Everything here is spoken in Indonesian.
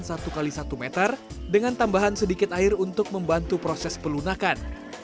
kotoran kambing dikumpulkan dengan keputaran satu x satu meter dengan tambahan sedikit air untuk membantu proses pelunakan